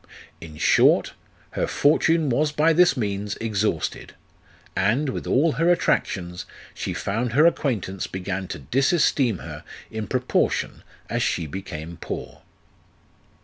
In short, her fortune was by this means exhausted ; and, with all her attractions, she found her acquaintance began to disesteem her in pro portion as she became poor.